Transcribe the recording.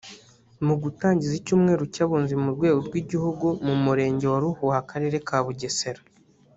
Mu gutangiza icyumweru cy’abunzi ku rwego rw’igihugu mu Murenge wa Ruhuha Akarere ka Bugesera